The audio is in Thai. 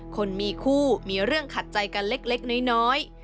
คนมีคู่มีเรื่องขัดใจกันเล็กน้อย